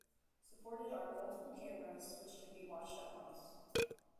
Supported are multiple cameras, which can be watched at once.